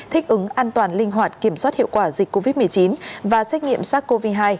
thích ứng an toàn linh hoạt kiểm soát hiệu quả dịch covid một mươi chín và xét nghiệm sars cov hai